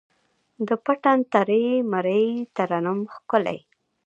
د پتڼ ترۍ، مرۍ ترنم ښکلی